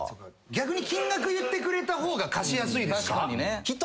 逆に金額言ってくれた方が貸しやすいです。